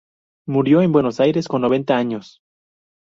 Murió en Buenos Aires con noventa años.